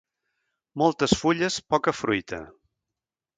Moltes fulles, poca fruita.